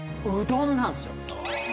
どんなんですよ。